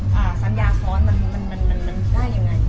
กับสัญญาสร้อนมันก็ได้ยังไง